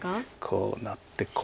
こうなってこう。